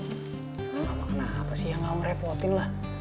mama kenapa sih yang gak ngerepotin lah